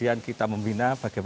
intinya ditam avbn kecil